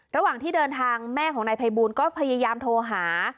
ระหว่างที่เดินทางแม่ของนายภัยบูลก็พยายามโทรหา